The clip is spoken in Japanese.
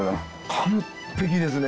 完璧ですね。